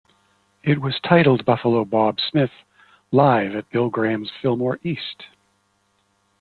It was titled, "Buffalo Bob Smith Live at Bill Graham's Fillmore East".